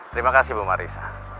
terima kasih bu marissa